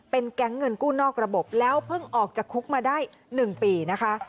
แก๊งเงินกู้นอกระบบแล้วเพิ่งออกจากคุกมาได้๑ปีนะคะ